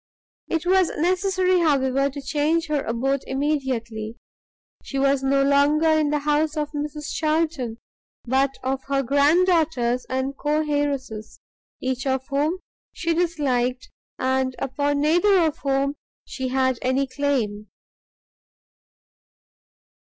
It was necessary, however, to change her abode immediately; she was no longer in the house of Mrs Charlton, but of her grand daughters and co heiresses, each of whom she disliked, and upon neither of whom she had any claim.